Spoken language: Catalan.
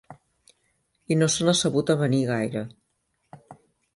I no se n'ha sabut avenir gaire.